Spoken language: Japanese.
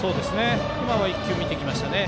今は１球見ましたね。